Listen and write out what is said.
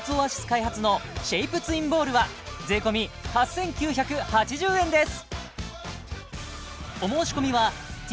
開発のシェイプツインボールは税込８９８０円です